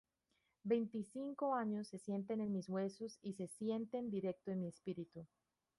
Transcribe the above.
Veinticinco años se sienten en mis huesos y se sienten directo en mi espíritu.